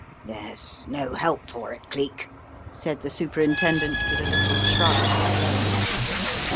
"There's no help for it, Cleek," said the Super intendent with a little shrug of despair.